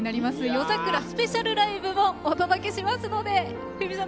「夜桜スペシャルライブ」もお届けしますので、冬美さん